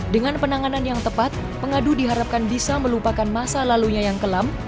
dengan penanganan yang tepat pengadu diharapkan bisa melupakan masa lalunya yang kelam